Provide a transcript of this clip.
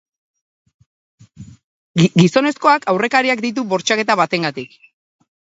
Gizonezkoak aurrekariak ditu, bortxaketa batengatik.